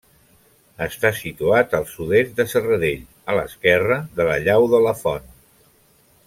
Està situat al sud-est de Serradell, a l'esquerra de la llau de la Font.